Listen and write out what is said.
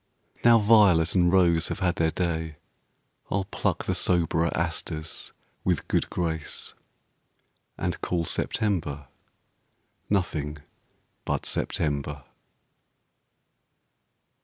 Now violet and rose have had their day, I'll pluck the soberer asters with good grace And call September nothing but September.